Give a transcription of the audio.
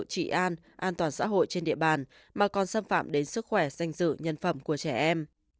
trị an an toàn xã hội trên địa bàn mà còn xâm phạm đến sức khỏe danh dự nhân phẩm của trẻ em